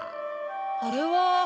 あれは。